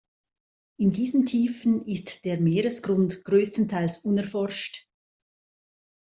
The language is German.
In diesen Tiefen ist der Meeresgrund größtenteils unerforscht.